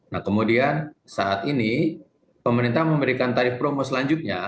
nah kemudian saat ini pemerintah memberikan tarif promo selanjutnya